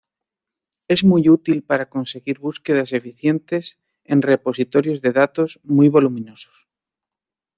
Es muy útil para conseguir búsquedas eficientes en repositorios de datos muy voluminosos.